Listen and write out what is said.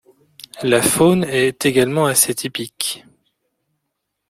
La faune est également assez typique.